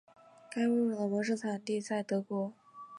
该物种的模式产地在德国。